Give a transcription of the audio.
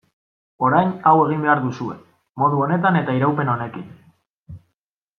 Orain hau egin behar duzue, modu honetan eta iraupen honekin.